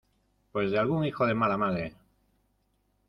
pues de algún hijo de mala madre.